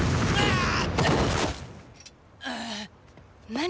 何？